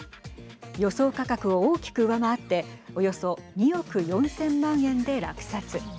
予想価格を大きく上回っておよそ２億４０００万円で落札。